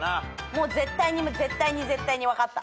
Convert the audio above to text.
もう絶対に絶対に絶対に分かった。